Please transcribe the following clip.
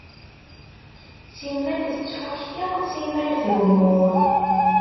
Simmal tettfukti, simmal tgemmu.